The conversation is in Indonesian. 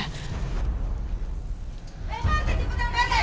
eh prt cepetan prt